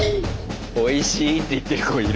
おいしいって言ってる子いる。